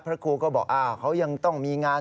พระครูก็บอกเขายังต้องมีงาน